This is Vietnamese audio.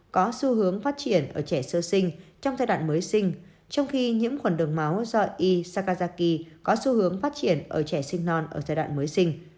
có xu hướng phát triển ở trẻ sơ sinh trong giai đoạn mới sinh trong khi nhiễm khuẩn đường máu do y sakazaki có xu hướng phát triển ở trẻ sinh non ở giai đoạn mới sinh